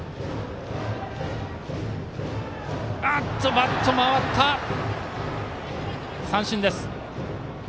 バット回った、三振です。